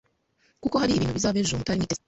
kuko hari ikintu kizaba ejo mutari mwiteze